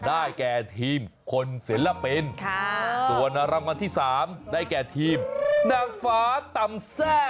ได้แก่ทีมคนศิลปินส่วนรางวัลที่๓ได้แก่ทีมนางฟ้าตำแทร่